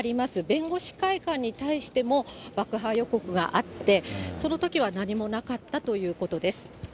弁護士会館に対しても、爆破予告があって、そのときは何もなかったということです。